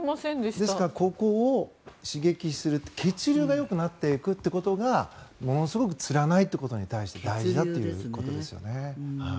ですからここを刺激する血流がよくなっていくことがものすごくつらないことに対して大事だということです。